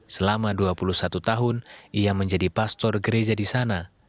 selama dua puluh satu tahun ia menjadi pastor gereja di sana